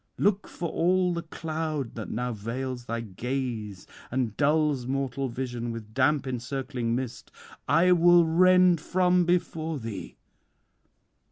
Look, for all the cloud that now veils thy gaze and dulls mortal vision with damp encircling mist, I will rend from before thee.